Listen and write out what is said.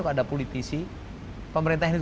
tidak ada politisi pemerintah ini